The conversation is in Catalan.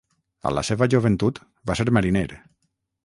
A la seva joventut, va ser mariner.